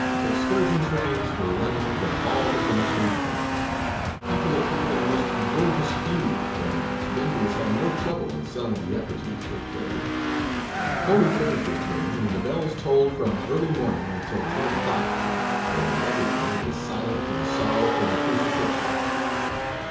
Excursion trains were run in from all the connecting points, people appeared in the most gorgeous hues, and venders had no trouble in selling the effigies they carried. Holy Thursday came and the bells tolled from early morning until ten o'clock, when every one was silent in sorrow for the crucifixion.